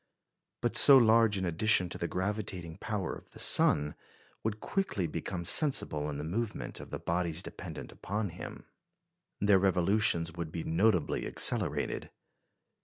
But so large an addition to the gravitating power of the sun would quickly become sensible in the movement of the bodies dependent upon him. Their revolutions would be notably accelerated.